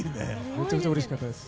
めちゃくちゃうれしかったです。